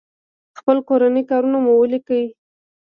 خپل کورني کارونه مو وليکئ!